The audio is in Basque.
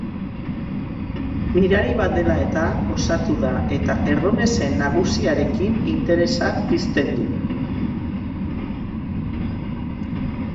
Mirari bat dela eta, osatu da eta erromesen nagusiarekin interesa pizten du.